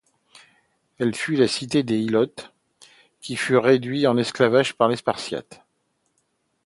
Elle fut la cité des Hilotes, qui furent réduits en esclavage par les Spartiates.